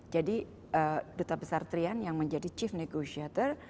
jadi duta besar trian yang menjadi chief negotiator